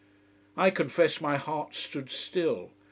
I confess my heart stood still.